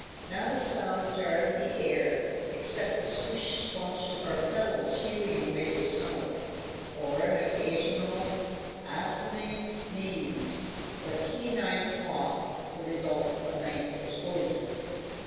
Not a sound jarred the air, except the swish swash of our pedals hewing away the snow, or an occasional asinine sneeze, or canine cough, the result of a night's exposure.